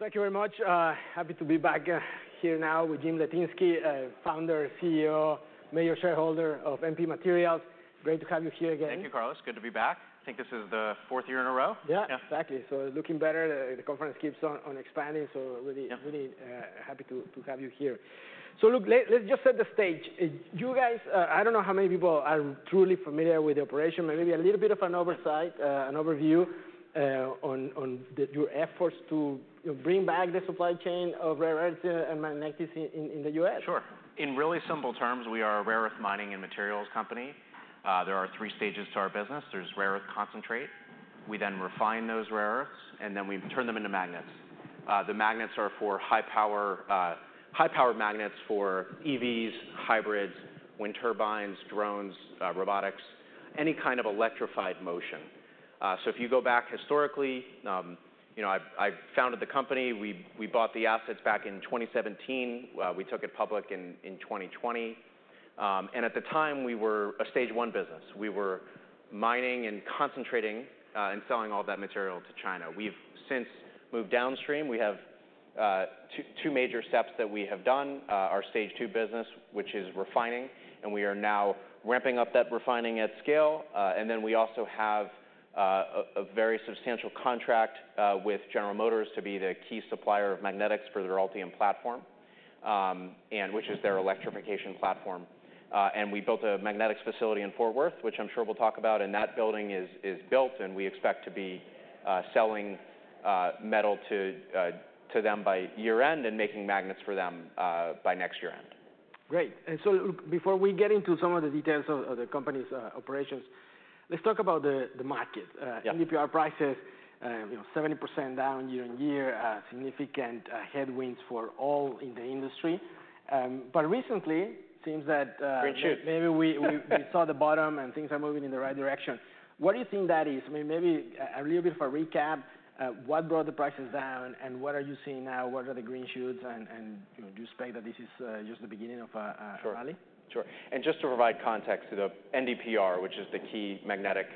Thank you very much. Happy to be back here now with Jim Litinsky, Founder, CEO, major shareholder of MP Materials. Great to have you here again. Thank you, Carlos. Good to be back. I think this is the 4th year in a row. Yeah, exactly. Yeah. So looking better, the conference keeps on expanding, so really-Yeah really happy to have you here. So look, let's just set the stage. You guys, I don't know how many people are truly familiar with the operation. Maybe a little bit of an overview on your efforts to, you know, bring back the supply chain of rare earth and magnets in the U.S. Sure. In really simple terms, we are a rare earth mining and materials company. There are three stages to our business. There's rare earth concentrate, we then refine those rare earths, and then we turn them into magnets. The magnets are for high power, high-powered magnets for EVs, hybrids, wind turbines, drones, robotics, any kind of electrified motion. So if you go back historically, you know, I founded the company. We bought the assets back in 2017. We took it public in 2020. And at the time, we were a Stage I business. We were mining and concentrating, and selling all that material to China. We've since moved downstream. We have two major steps that we have done. Our Stage II business, which is refining, and we are now ramping up that refining at scale. And then we also have a very substantial contract with General Motors to be the key supplier of magnetics for their Ultium platform, and which is their electrification platform. And we built a magnetics facility in Fort Worth, which I'm sure we'll talk about, and that building is built, and we expect to be selling metal to them by year-end, and making magnets for them by next year-end. Great. And so look, before we get into some of the details of the company's operations, let's talk about the market. Yeah NdPr prices, you know, 70% down year on year, significant headwinds for all in the industry, but recently, seems that, Green shoots Maybe we saw the bottom and things are moving in the right direction. What do you think that is? I mean, maybe a little bit of a recap, what brought the prices down, and what are you seeing now? What are the green shoots, and you know, do you expect that this is just the beginning of a- Sure rally? Sure. And just to provide context to the NdPr, which is the key magnetic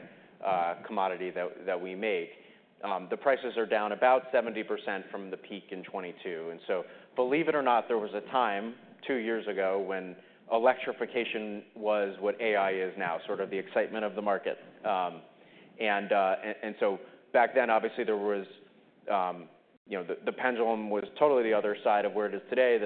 commodity that we make, the prices are down about 70% from the peak in 2022. And so, believe it or not, there was a time, two years ago, when electrification was what AI is now, sort of the excitement of the market. And so back then, obviously, there was. You know, the pendulum was totally the other side of where it is today,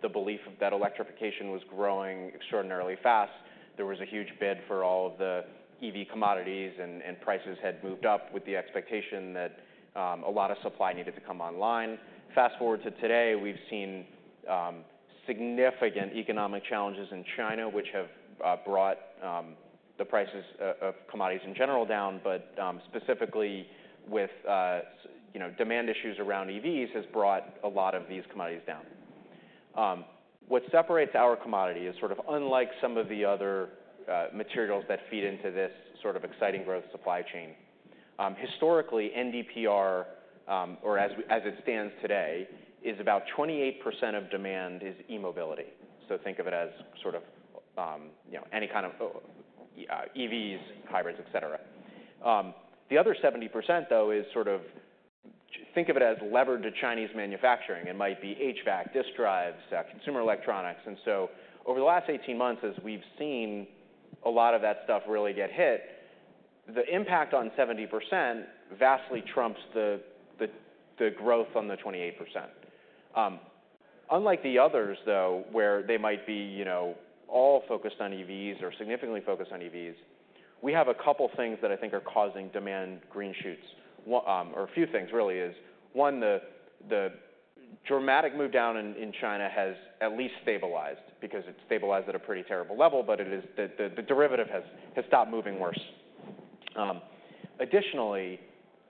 the belief that electrification was growing extraordinarily fast. There was a huge bid for all of the EV commodities, and prices had moved up with the expectation that a lot of supply needed to come online. Fast-forward to today, we've seen significant economic challenges in China, which have brought the prices of commodities in general down, but specifically with you know, demand issues around EVs, has brought a lot of these commodities down. What separates our commodity is sort of unlike some of the other materials that feed into this sort of exciting growth supply chain. Historically, NdPr, or as it stands today, is about 28% of demand is e-mobility. So think of it as sort of, you know, any kind of EVs, hybrids, et cetera. The other 70%, though, is sort of think of it as levered to Chinese manufacturing. It might be HVAC, disk drives, consumer electronics. And so over the last eighteen months, as we've seen a lot of that stuff really get hit, the impact on 70% vastly trumps the growth on the 28%. Unlike the others, though, where they might be, you know, all focused on EVs or significantly focused on EVs, we have a couple things that I think are causing demand green shoots. One, or a few things really is, one, the dramatic move down in China has at least stabilized because it's stabilized at a pretty terrible level, but it is. The derivative has stopped moving worse. Additionally,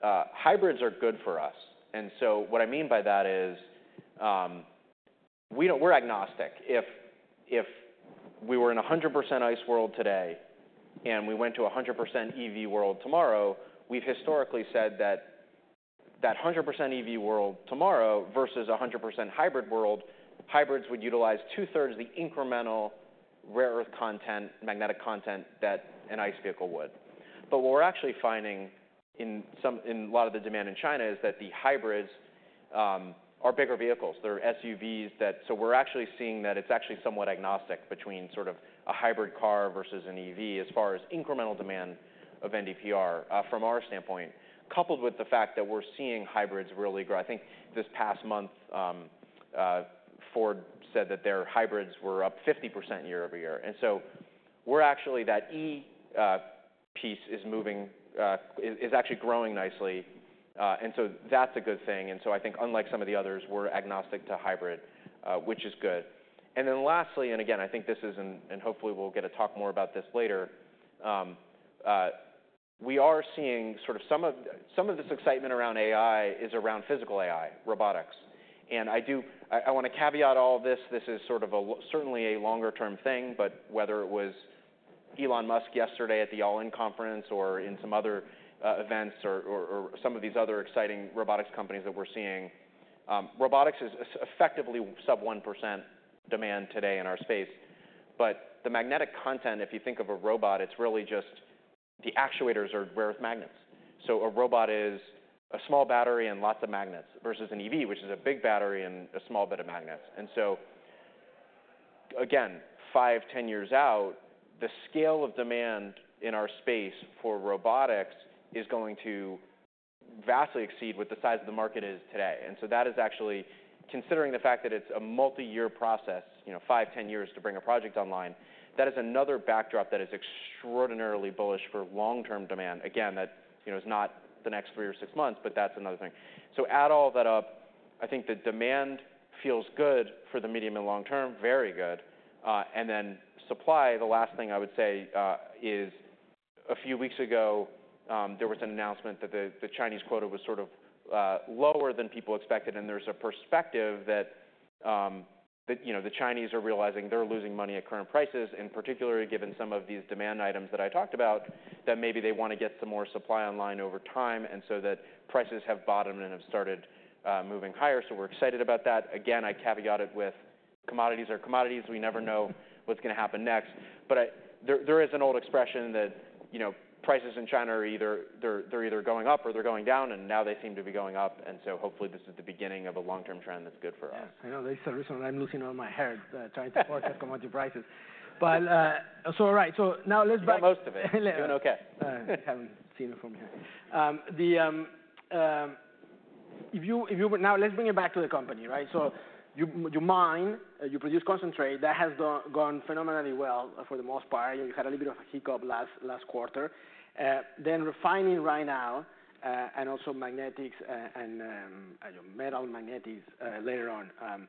hybrids are good for us, and so what I mean by that is, we don't- we're agnostic. If we were in a 100% ICE world today, and we went to a 100% EV world tomorrow, we've historically said that that 100% EV world tomorrow versus a 100% hybrid world, hybrids would utilize two-thirds of the incremental rare earth content, magnetic content that an ICE vehicle would. But what we're actually finding in some in a lot of the demand in China, is that the hybrids are bigger vehicles. They're SUVs that... So we're actually seeing that it's actually somewhat agnostic between sort of a hybrid car versus an EV as far as incremental demand of NdPr from our standpoint, coupled with the fact that we're seeing hybrids really grow. I think this past month, Ford said that their hybrids were up 50% year-over-year, and so we're actually, that EV piece is moving, is actually growing nicely. And so that's a good thing. I think unlike some of the others, we're agnostic to hybrid, which is good. And then lastly, and again, I think this is, and hopefully we'll get to talk more about this later, we are seeing sort of some of this excitement around AI is around physical AI, robotics. I want to caveat all of this. This is sort of certainly a longer term thing, but whether it was Elon Musk yesterday at the All-In Conference or in some other events or some of these other exciting robotics companies that we're seeing, robotics is effectively sub 1% demand today in our space. But the magnetic content, if you think of a robot, it's really just the actuators are rare earth magnets. So a robot is a small battery and lots of magnets, versus an EV, which is a big battery and a small bit of magnets. So again, five, ten years out, the scale of demand in our space for robotics is going to vastly exceed what the size of the market is today. And so that is actually considering the fact that it's a multi-year process, you know, five, ten years to bring a project online. That is another backdrop that is extraordinarily bullish for long-term demand. Again, that, you know, is not the next three or six months, but that's another thing. So add all that up, I think the demand feels good for the medium and long term, very good. And then supply, the last thing I would say, is a few weeks ago, there was an announcement that the Chinese quota was sort of lower than people expected, and there's a perspective that you know, the Chinese are realizing they're losing money at current prices, and particularly given some of these demand items that I talked about, that maybe they want to get some more supply online over time, and so that prices have bottomed and have started moving higher, so we're excited about that. Again, I caveat it with commodities are commodities. We never know what's gonna happen next. There is an old expression that, you know, prices in China are either going up or they're going down, and now they seem to be going up, and so hopefully this is the beginning of a long-term trend that's good for us. Yes, I know there's a reason I'm losing all my hair, trying to forecast commodity prices. But, so all right, so now let's back- Most of it. Doing okay. I haven't seen it from here. If you would... Now let's bring it back to the company, right, so you mine, you produce concentrate. That has gone phenomenally well for the most part. You had a little bit of a hiccup last quarter. Then refining right now, and also magnetics, and, I don't know, metal magnetics, later on.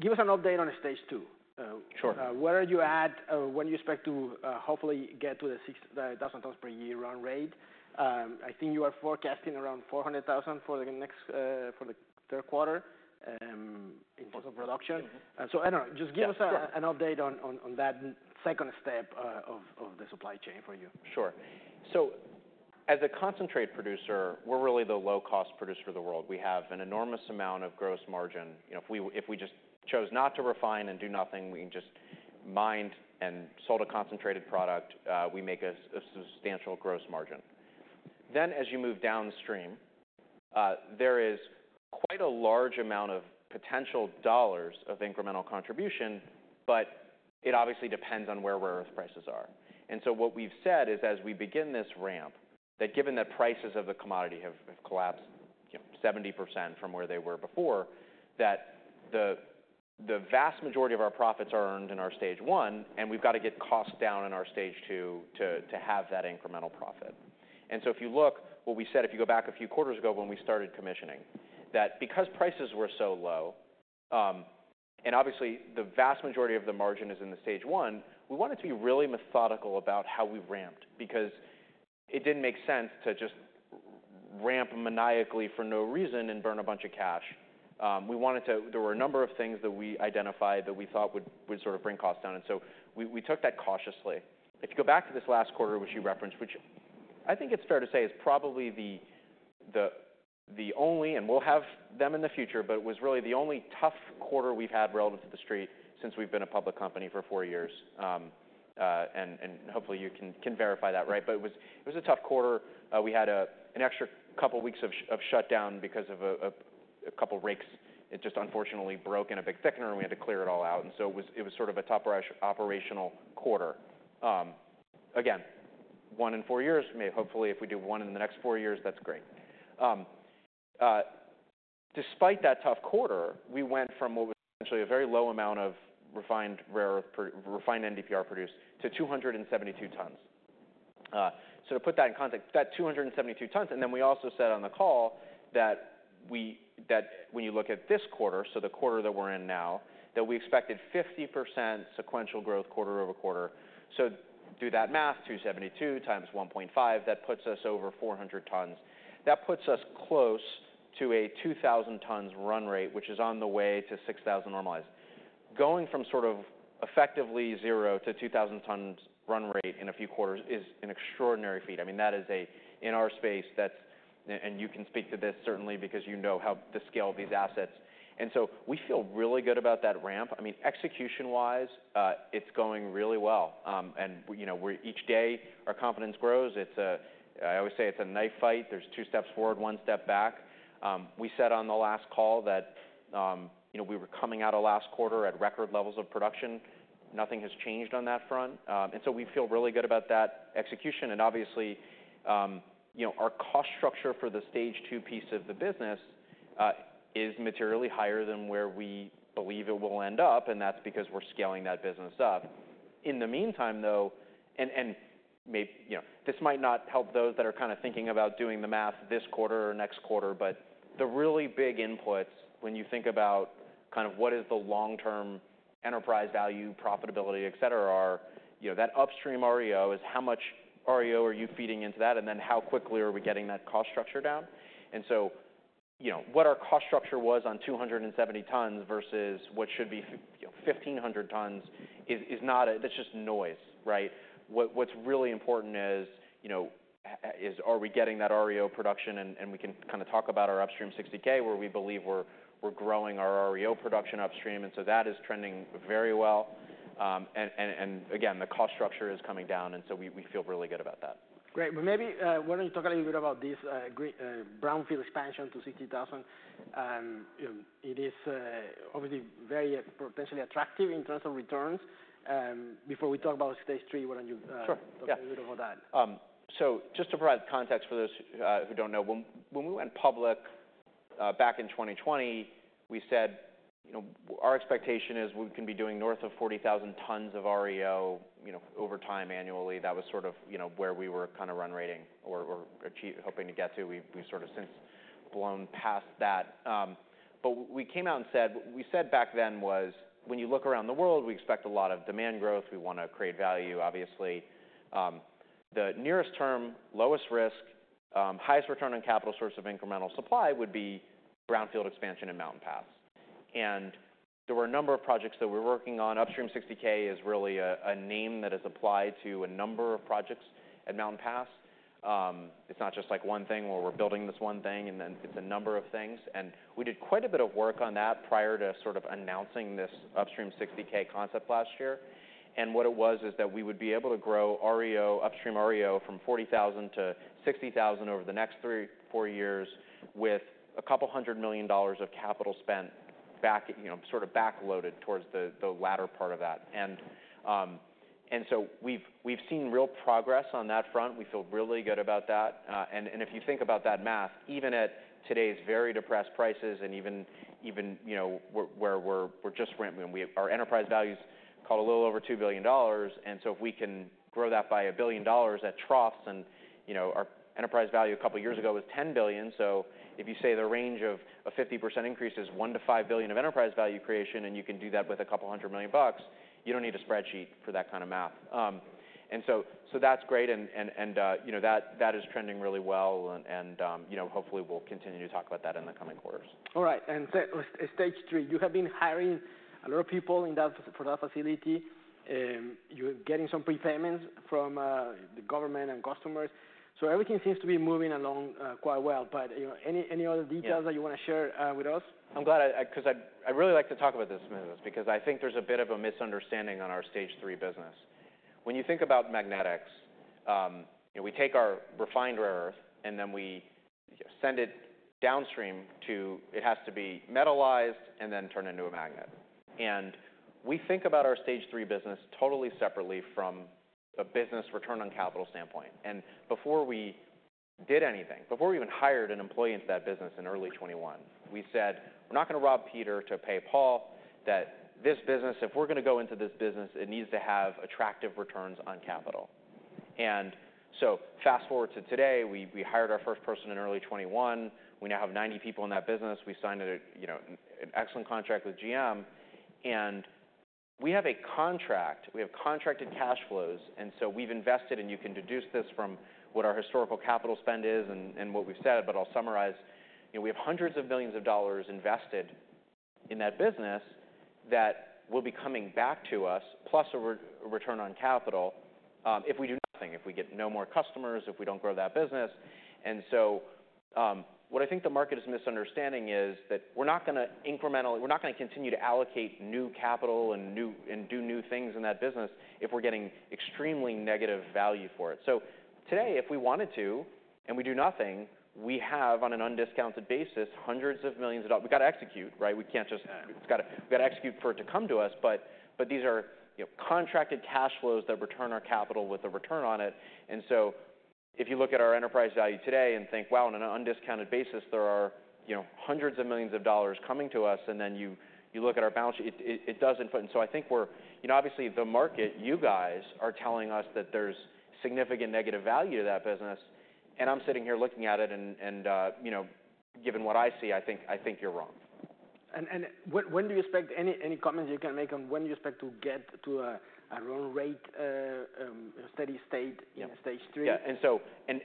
Give us an update on Stage II. Uh, sure. Where are you at? When do you expect to hopefully get to the 6,000 tons per year run rate? I think you are forecasting around 400,000 for the third quarter in terms of production. So I don't know, just give us- Yeah, sure... an update on that second step of the supply chain for you. Sure. So as a concentrate producer, we're really the low-cost producer of the world. We have an enormous amount of gross margin. You know, if we, if we just chose not to refine and do nothing, we can just mined and sold a concentrated product, we make a substantial gross margin. Then, as you move downstream, there is quite a large amount of potential dollars of incremental contribution, but it obviously depends on where rare earth prices are. And so what we've said is, as we begin this ramp, that given that prices of the commodity have collapsed, you know, 70% from where they were before, that the vast majority of our profits are earned in our Stage I, and we've got to get costs down in our Stage II to have that incremental profit. And so if you look, what we said, if you go back a few quarters ago when we started commissioning, that because prices were so low, and obviously the vast majority of the margin is in the Stage I, we wanted to be really methodical about how we ramped, because it didn't make sense to just ramp maniacally for no reason and burn a bunch of cash. We wanted to. There were a number of things that we identified that we thought would sort of bring costs down, and so we took that cautiously. If you go back to this last quarter, which you referenced, which I think it's fair to say, is probably the only, and we'll have them in the future, but it was really the only tough quarter we've had relative to the street since we've been a public company for four years. And hopefully, you can verify that, right? But it was a tough quarter. We had an extra couple weeks of shutdown because of a couple of rakes. It just unfortunately broke in a big thickener, and we had to clear it all out, and so it was sort of a tough operational quarter. Again, one in four years, maybe hopefully, if we do one in the next four years, that's great. Despite that tough quarter, we went from what was essentially a very low amount of refined NdPr produced to 272 tons. So to put that in context, that 272 tons, and then we also said on the call that when you look at this quarter, so the quarter that we're in now, that we expected 50% sequential growth quarter over quarter. Do that math, 272 times 1.5, that puts us over 400 tons. That puts us close to a 2,000 tons run rate, which is on the way to 6,000 normalized. Going from sort of effectively 0-2,000 tons run rate in a few quarters is an extraordinary feat. I mean, that is a... In our space, you can speak to this certainly because you know how the scale of these assets. And so we feel really good about that ramp. I mean, execution-wise, it's going really well. And you know, we're each day, our confidence grows. It's a knife fight, I always say. There's two steps forward, one step back. We said on the last call that you know, we were coming out of last quarter at record levels of production. Nothing has changed on that front. And so we feel really good about that execution. And obviously, you know, our cost structure for the Stage II piece of the business is materially higher than where we believe it will end up, and that's because we're scaling that business up. In the meantime, though, may... You know, this might not help those that are kind of thinking about doing the math this quarter or next quarter, but the really big inputs when you think about kind of what is the long-term enterprise value, profitability, et cetera, are, you know, that upstream REO is how much REO are you feeding into that, and then how quickly are we getting that cost structure down? And so, you know, what our cost structure was on 270 tons versus what should be, you know, 1,500 tons is not that's just noise, right? What's really important is, you know, are we getting that REO production? And we can kind of talk about our Upstream 60K, where we believe we're growing our REO production upstream, and so that is trending very well. Again, the cost structure is coming down, and so we feel really good about that. Great. Well, maybe, why don't you talk a little bit about this great brownfield expansion to 60,000? You know, it is obviously very potentially attractive in terms of returns. Before we talk about Stage III, why don't you, Sure, yeah. Talk a little bit about that. So just to provide context for those who don't know, when we went public back in 2020, we said, you know, our expectation is we can be doing north of 40,000 tons of REO, you know, over time, annually. That was sort of, you know, where we were kind of run rating hoping to get to. We've sort of since blown past that, but we came out and said what we said back then was, "When you look around the world, we expect a lot of demand growth. We want to create value, obviously." The nearest term, lowest risk, highest return on capital source of incremental supply would be brownfield expansion in Mountain Pass, and there were a number of projects that we're working on. Upstream 60K is really a name that is applied to a number of projects at Mountain Pass. It's not just, like, one thing where we're building this one thing, and then it's a number of things. And we did quite a bit of work on that prior to sort of announcing this Upstream 60K concept last year. And what it was, is that we would be able to grow REO, Upstream REO, from 40,000-60,000 over the next 3-4 years, with $200 million of capital spent back, you know, sort of backloaded towards the latter part of that. And so we've seen real progress on that front. We feel really good about that. If you think about that math, even at today's very depressed prices and even you know where we're just running. We have our enterprise value's called a little over $2 billion, and so if we can grow that by $1 billion at troughs, and you know our enterprise value a couple of years ago was $10 billion. So if you say the range of a 50% increase is $1-$5 billion of enterprise value creation, and you can do that with a couple hundred million bucks, you don't need a spreadsheet for that kind of math. And so that's great, and you know that is trending really well. And you know hopefully we'll continue to talk about that in the coming quarters. All right, and so Stage III, you have been hiring a lot of people in that for that facility, you're getting some prepayments from the government and customers. So everything seems to be moving along quite well. But you know, any other details. Yeah that you want to share with us? I'm glad 'cause I'd really like to talk about this, because I think there's a bit of a misunderstanding on our Stage III business. When you think about magnetics, you know, we take our refined rare earth, and then we send it downstream to... It has to be metallized and then turned into a magnet. And we think about our Stage III business totally separately from a business return on capital standpoint. And before we did anything, before we even hired an employee into that business in early 2021, we said: We're not going to rob Peter to pay Paul, that this business, if we're going to go into this business, it needs to have attractive returns on capital. And so fast-forward to today, we hired our first person in early 2021. We now have 90 people in that business. We signed, you know, an excellent contract with GM, and we have a contract, we have contracted cash flows, and so we've invested, and you can deduce this from what our historical capital spend is and what we've said, but I'll summarize. You know, we have hundreds of millions of dollars invested in that business that will be coming back to us, plus a return on capital, if we do nothing, if we get no more customers, if we don't grow that business. And so, what I think the market is misunderstanding is that we're not going to incrementally, we're not going to continue to allocate new capital and do new things in that business if we're getting extremely negative value for it. So today, if we wanted to, and we do nothing, we have, on an undiscounted basis, hundreds of millions of dollars. We've got to execute, right? We can't just- Yeah. We've got to execute for it to come to us, but these are, you know, contracted cash flows that return our capital with a return on it. And so if you look at our enterprise value today and think, "Wow, on an undiscounted basis, there are, you know, hundreds of millions of dollars coming to us," and then you look at our balance sheet, it doesn't fit. And so I think we're. You know, obviously the market, you guys, are telling us that there's significant negative value to that business, and I'm sitting here looking at it, and you know, given what I see, I think you're wrong. When do you expect... Any comments you can make on when you expect to get to a run rate, steady state? Yeah... in Stage III? Yeah, and so, and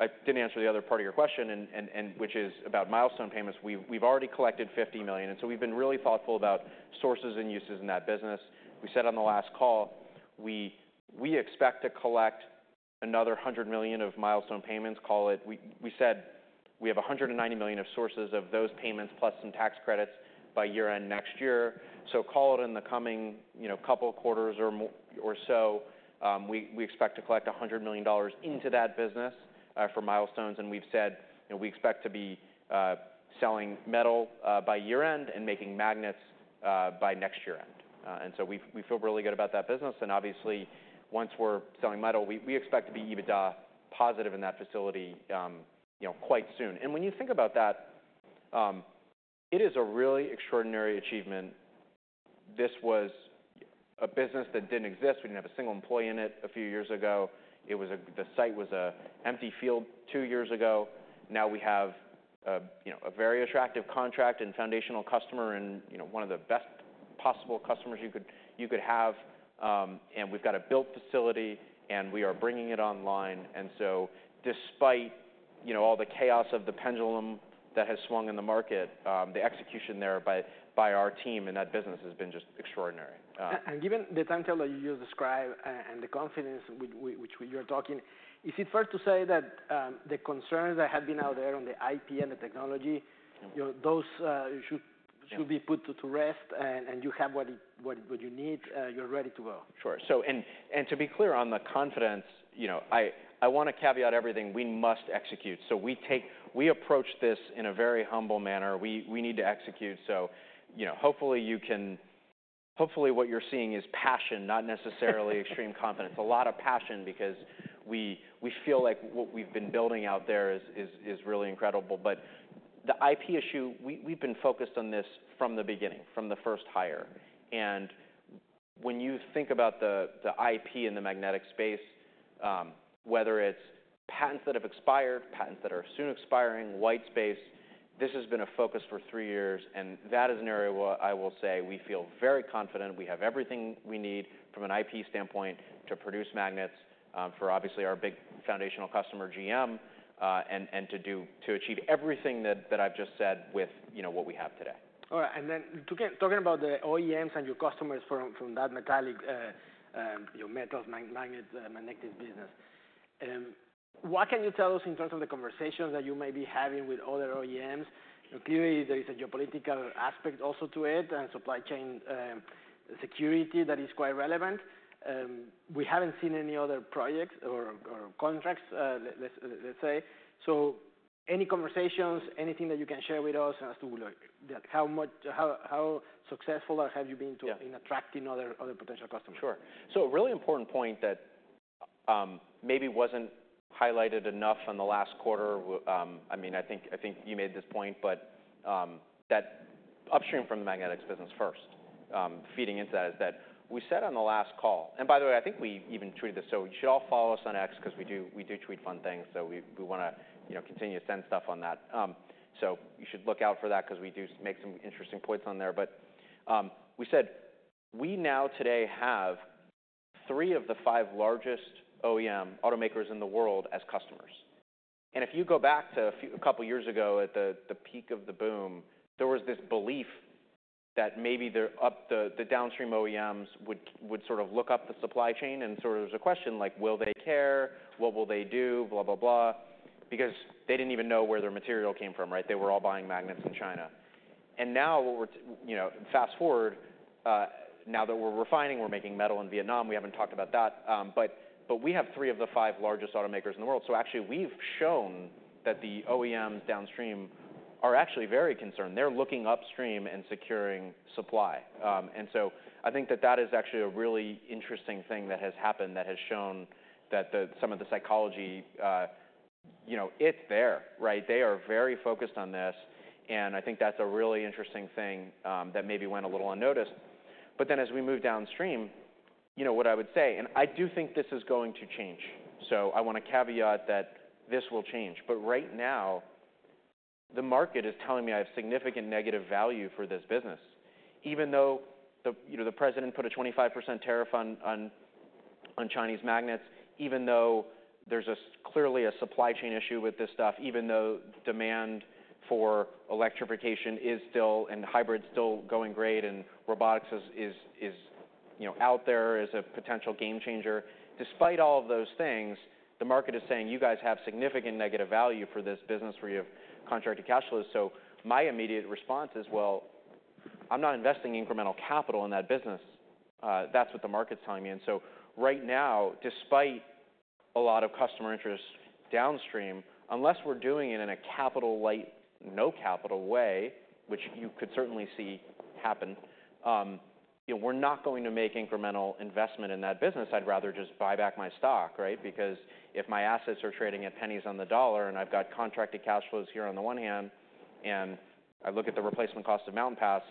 I didn't answer the other part of your question, and which is about milestone payments. We've already collected $50 million, and so we've been really thoughtful about sources and uses in that business. We said on the last call, we expect to collect another $100 million of milestone payments, call it. We said we have $190 million of sources of those payments plus some tax credits by year-end next year. So call it in the coming, you know, couple of quarters or so, we expect to collect $100 million into that business for milestones, and we've said, you know, we expect to be selling metal by year-end and making magnets by next year-end. And so we feel really good about that business. Obviously, once we're selling metal, we expect to be EBITDA positive in that facility, you know, quite soon. When you think about that, it is a really extraordinary achievement. This was a business that didn't exist. We didn't have a single employee in it a few years ago. It was a. The site was an empty field two years ago. Now we have a, you know, a very attractive contract and foundational customer and, you know, one of the best possible customers you could have. We've got a built facility, and we are bringing it online. Despite you know, all the chaos of the pendulum that has swung in the market, the execution there by our team in that business has been just extraordinary. And given the timetable that you described and the confidence with which you're talking, is it fair to say that the concerns that have been out there on the IP and the technology, you know, those should- Yeah should be put to rest, and you have what you need, you're ready to go? Sure, so to be clear on the confidence, you know, I want to caveat everything we must execute. We approach this in a very humble manner. We need to execute, so, you know, hopefully, you can. Hopefully, what you're seeing is passion, not necessarily extreme confidence. A lot of passion because we feel like what we've been building out there is really incredible, but the IP issue, we've been focused on this from the beginning, from the first hire, and when you think about the IP in the magnetic space, whether it's patents that have expired, patents that are soon expiring, white space, this has been a focus for three years, and that is an area where I will say we feel very confident. We have everything we need from an IP standpoint to produce magnets for obviously our big foundational customer, GM, and to achieve everything that I've just said with, you know, what we have today. All right, and then to get talking about the OEMs and your customers from that metallic, you know, metals, magnets, magnetic business. What can you tell us in terms of the conversations that you may be having with other OEMs? Clearly, there is a geopolitical aspect also to it, and supply chain security that is quite relevant. We haven't seen any other projects or contracts, let's say. So any conversations, anything that you can share with us as to, like, how successful or have you been to- Yeah in attracting other potential customers? Sure. So a really important point that maybe wasn't highlighted enough in the last quarter. I mean, I think you made this point, but that upstream from the magnetics business first, feeding into that, is that we said on the last call, and by the way, I think we even tweeted this, so you should all follow us on X, 'cause we do tweet fun things, so we wanna, you know, continue to send stuff on that, so you should look out for that 'cause we do make some interesting points on there, but we said we now today have three of the five largest OEM automakers in the world as customers. And if you go back to a couple of years ago, at the peak of the boom, there was this belief that maybe the downstream OEMs would sort of look up the supply chain and sort of there was a question like: Will they care? What will they do? Blah, blah, blah. Because they didn't even know where their material came from, right? They were all buying magnets in China. And now what we're, you know, fast-forward, now that we're refining, we're making metal in Vietnam. We haven't talked about that, but we have three of the five largest automakers in the world. So actually, we've shown that the OEMs downstream are actually very concerned. They're looking upstream and securing supply. And so I think that that is actually a really interesting thing that has happened, that has shown that some of the psychology, you know, it's there, right? They are very focused on this, and I think that's a really interesting thing, that maybe went a little unnoticed. But then, as we move downstream, you know what I would say? And I do think this is going to change, so I want to caveat that this will change. But right now, the market is telling me I have significant negative value for this business, even though the, you know, the president put a 25% tariff on Chinese magnets. Even though there's clearly a supply chain issue with this stuff. Even though demand for electrification is still, and hybrid's still going great, and robotics is, you know, out there as a potential game changer. Despite all of those things, the market is saying, "You guys have significant negative value for this business, for your contracted cash flows." So my immediate response is, "Well, I'm not investing incremental capital in that business." That's what the market's telling me. And so right now, despite a lot of customer interest downstream, unless we're doing it in a capital light, no capital way, which you could certainly see happen, you know, we're not going to make incremental investment in that business. I'd rather just buy back my stock, right? Because if my assets are trading at pennies on the dollar, and I've got contracted cash flows here on the one hand, and I look at the replacement cost of Mountain Pass,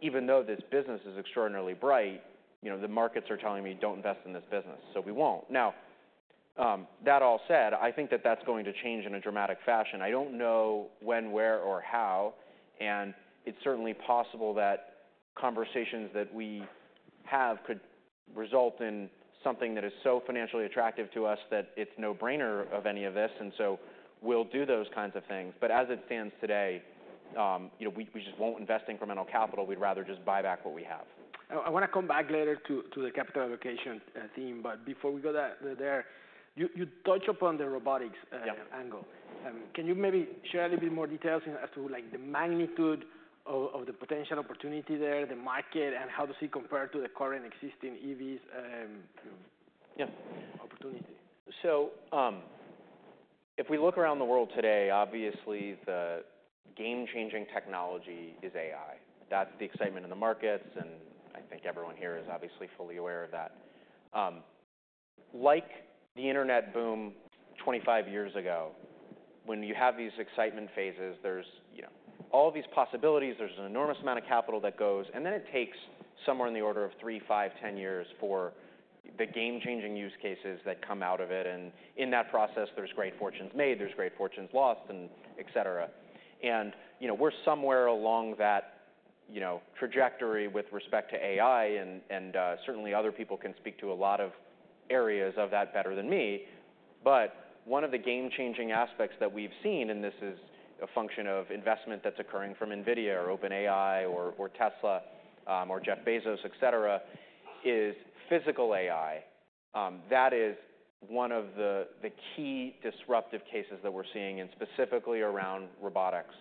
even though this business is extraordinarily bright, you know, the markets are telling me, "Don't invest in this business." So we won't. Now, that all said, I think that that's going to change in a dramatic fashion. I don't know when, where, or how, and it's certainly possible that conversations that we have could result in something that is so financially attractive to us that it's no brainer of any of this, and so we'll do those kinds of things. But as it stands today, you know, we just won't invest incremental capital. We'd rather just buy back what we have. I wanna come back later to the capital allocation theme. But before we go there, you touched upon the robotics. Yeah -angle. Can you maybe share a little bit more details as to, like, the magnitude of the potential opportunity there, the market, and how does it compare to the current existing EVs? Yeah -opportunity? So, if we look around the world today, obviously, the game-changing technology is AI. That's the excitement in the markets, and I think everyone here is obviously fully aware of that. Like the internet boom twenty-five years ago, when you have these excitement phases, there's, you know, all these possibilities, there's an enormous amount of capital that goes, and then it takes somewhere in the order of three, five, ten years for the game-changing use cases that come out of it. And in that process, there's great fortunes made, there's great fortunes lost, and et cetera. And, you know, we're somewhere along that you know, trajectory with respect to AI, and certainly other people can speak to a lot of areas of that better than me. But one of the game-changing aspects that we've seen, and this is a function of investment that's occurring from NVIDIA or OpenAI or Tesla, or Jeff Bezos, et cetera, is physical AI. That is one of the key disruptive cases that we're seeing, and specifically around robotics.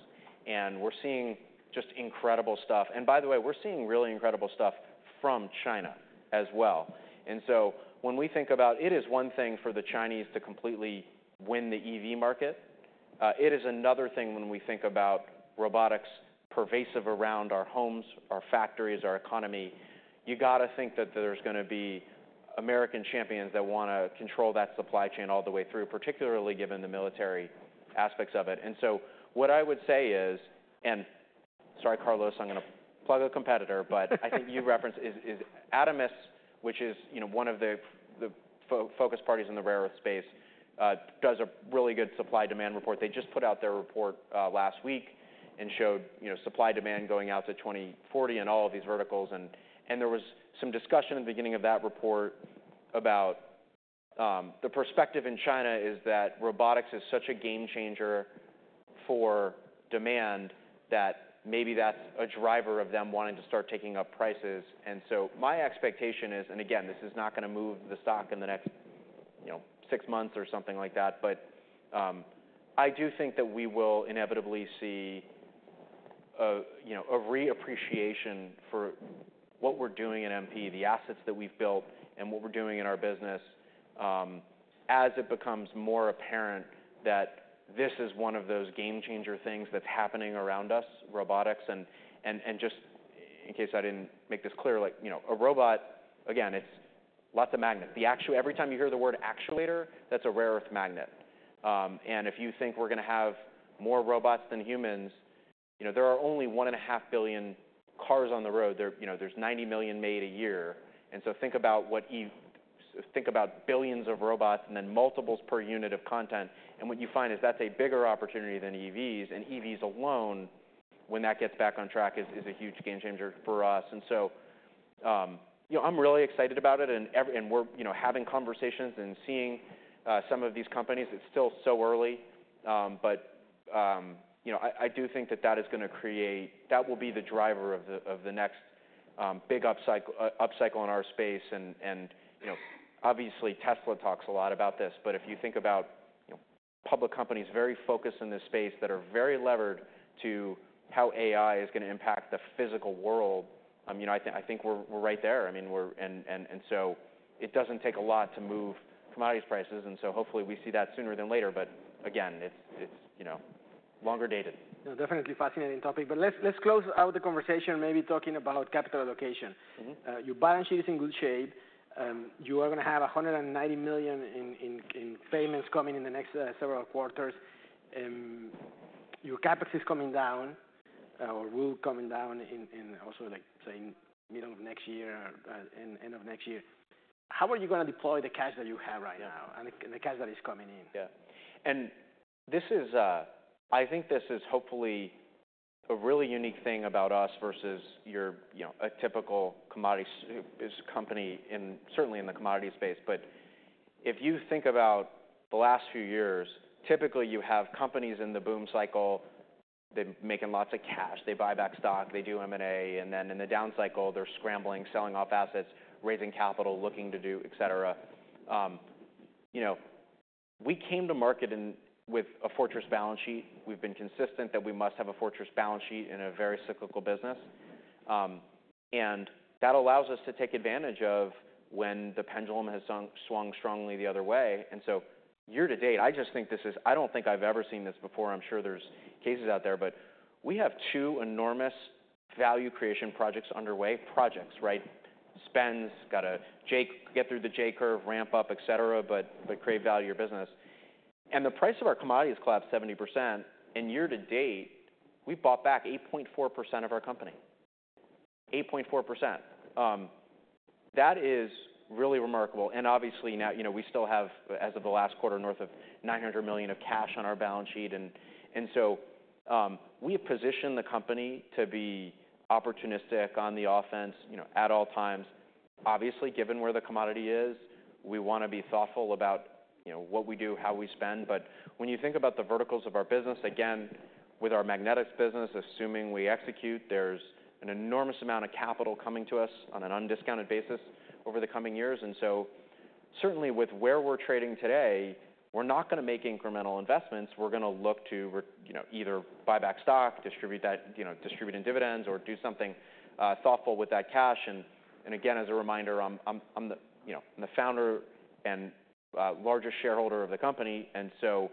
And we're seeing just incredible stuff. And by the way, we're seeing really incredible stuff from China as well. And so when we think about it, it is one thing for the Chinese to completely win the EV market. It is another thing when we think about robotics pervasive around our homes, our factories, our economy. You got to think that there's gonna be American champions that wanna control that supply chain all the way through, particularly given the military aspects of it. And so what I would say is, and sorry, Carlos, I'm gonna plug a competitor - but I think you referenced is Adamas, which is, you know, one of the focus parties in the rare earth space, does a really good supply/demand report. They just put out their report last week and showed, you know, supply/demand going out to 2040 in all of these verticals. And there was some discussion in the beginning of that report about the perspective in China is that robotics is such a game changer for demand, that maybe that's a driver of them wanting to start taking up prices. And so my expectation is, and again, this is not gonna move the stock in the next, you know, six months or something like that, but I do think that we will inevitably see a, you know, a reappreciation for what we're doing at MP, the assets that we've built and what we're doing in our business, as it becomes more apparent that this is one of those game changer things that's happening around us, robotics. And just in case I didn't make this clear, like, you know, a robot, again, it's lots of magnets. Every time you hear the word actuator, that's a rare earth magnet. And if you think we're gonna have more robots than humans, you know, there are only 1.5 billion cars on the road. There, you know, there's 90 million made a year. Think about billions of robots and then multiples per unit of content, and what you find is that's a bigger opportunity than EVs. EVs alone, when that gets back on track, is a huge game changer for us. So, you know, I'm really excited about it, and we're, you know, having conversations and seeing some of these companies. It's still so early. But, you know, I do think that that is gonna create... That will be the driver of the next big upcycle in our space. And, you know, obviously, Tesla talks a lot about this. But if you think about, you know, public companies very focused in this space that are very levered to how AI is gonna impact the physical world, I mean, I think we're right there. And so it doesn't take a lot to move commodities prices, and so hopefully we see that sooner than later. But again, it's, you know, longer dated. You know, definitely fascinating topic. But let's close out the conversation maybe talking about capital allocation. Mm-hmm. Your balance sheet is in good shape. You are gonna have $190 million in payments coming in the next several quarters. Your CapEx is coming down, or will coming down in also, like, say, middle of next year or end of next year. How are you gonna deploy the cash that you have right now? Yeah and the cash that is coming in? Yeah. And this is, I think this is hopefully a really unique thing about us versus your, you know, a typical commodity company in, certainly in the commodity space. But if you think about the last few years, typically, you have companies in the boom cycle. They're making lots of cash. They buy back stock, they do M&A, and then in the down cycle, they're scrambling, selling off assets, raising capital, looking to do, et cetera. You know, we came to market with a fortress balance sheet. We've been consistent that we must have a fortress balance sheet in a very cyclical business. And that allows us to take advantage of when the pendulum has swung strongly the other way. And so year to date, I just think this is... I don't think I've ever seen this before. I'm sure there's cases out there, but we have two enormous value creation projects underway. Projects, right? Spends, gotta get through the J curve, ramp up, et cetera, but create value your business, and the price of our commodities collapsed 70%, and year to date, we've bought back 8.4% of our company. 8.4%. That is really remarkable, and obviously now, you know, we still have, as of the last quarter, north of $900 million of cash on our balance sheet, and so we have positioned the company to be opportunistic on the offense, you know, at all times. Obviously, given where the commodity is, we wanna be thoughtful about, you know, what we do, how we spend. But when you think about the verticals of our business, again, with our magnetics business, assuming we execute, there's an enormous amount of capital coming to us on an undiscounted basis over the coming years. And so certainly with where we're trading today, we're not gonna make incremental investments. We're gonna look to you know, either buy back stock, distribute that you know, distribute in dividends, or do something thoughtful with that cash. And again, as a reminder, I'm the you know, I'm the founder and largest shareholder of the company, and so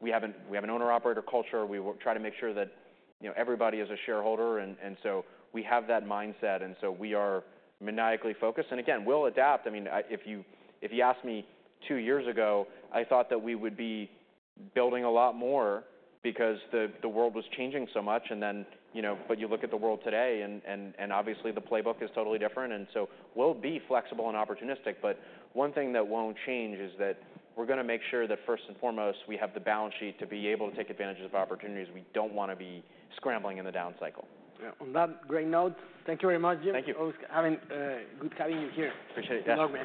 we have an owner-operator culture. We try to make sure that you know, everybody is a shareholder, and so we have that mindset, and so we are maniacally focused. And again, we'll adapt. I mean, if you asked me two years ago, I thought that we would be building a lot more because the world was changing so much, and then, you know, but you look at the world today and obviously the playbook is totally different, and so we'll be flexible and opportunistic, but one thing that won't change is that we're gonna make sure that, first and foremost, we have the balance sheet to be able to take advantage of opportunities. We don't wanna be scrambling in the down cycle. Yeah. On that great note, thank you very much, Jim. Thank you. It's always good having you here. Appreciate it. Yeah. Love, man.